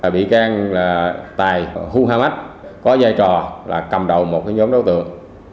bị can là tài hu ha mách có giai trò là cầm đầu một nhóm đối tượng